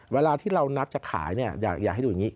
เวลาที่เรานับจะขายเนี่ยอยากให้ดูอย่างนี้